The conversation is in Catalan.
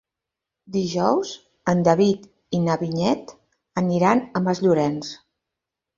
Dijous en David i na Vinyet aniran a Masllorenç.